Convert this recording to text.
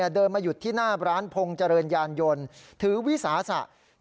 เดินมาหยุดที่หน้าร้านพงษ์เจริญยานยนต์ถือวิสาสะ